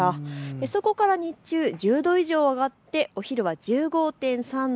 そこから日中１０度以上上がってお昼は１５．３度。